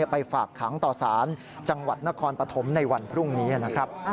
ไปฝากขังต่อสารจังหวัดนครปฐมในวันพรุ่งนี้นะครับ